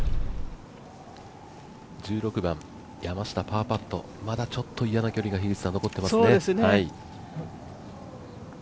１６番、山下パーパット、まだ嫌な距離が残っていますね。